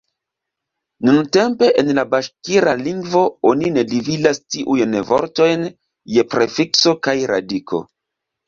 Nuntempe en la baŝkira lingvo oni ne dividas tiujn vortojn je prefikso kaj radiko.